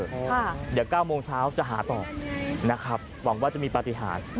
เดี๋ยว๙โมงเช้าจะหาต่อนะครับหวังว่าจะมีปฏิหาร